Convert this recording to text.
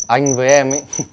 anh với em